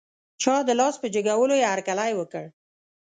چا د لاس په جګولو یې هر کلی وکړ.